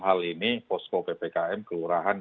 hal ini posko ppkm kelurahan